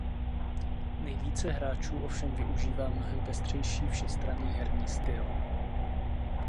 Nejvíce hráčů ovšem využívá mnohem pestřejší všestranný herní styl.